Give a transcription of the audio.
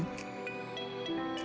masak irisan kulit jeruk